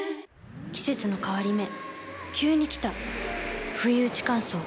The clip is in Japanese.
季節の変わり目急に来たふいうち乾燥。